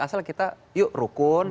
asal kita yuk rukun